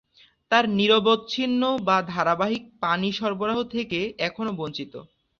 তার নিরবচ্ছিন্ন বা ধারাবাহিক পানি সরবরাহ থেকে এখনও বঞ্চিত।